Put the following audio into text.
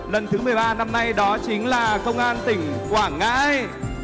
lần thứ một mươi ba năm nay đó chính là công an tỉnh quảng ngãi